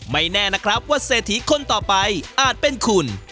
ไม่แน่นะครับว่าเศรษฐีคนต่อไปอาจเป็นคุณ